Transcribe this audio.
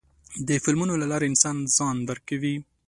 د فلمونو له لارې انسان ځان درکوي.